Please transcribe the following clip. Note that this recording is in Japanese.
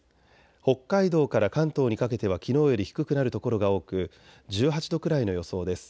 北海道から関東にかけてはきのうより低くなるところが多く１８度くらいの予想です。